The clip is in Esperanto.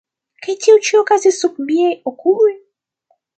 Kaj tio ĉi okazis sub miaj okuloj?